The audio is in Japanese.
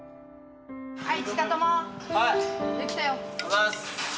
はい。